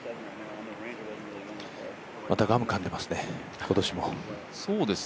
またガムかんでますね、今年も。